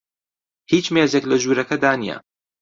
هیچ مێزێک لە ژوورەکەدا نییە.